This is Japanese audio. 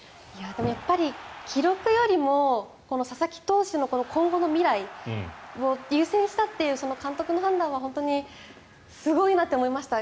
やっぱり記録よりも佐々木投手の今後の未来を優先したという監督の判断は本当にすごいなって思いました。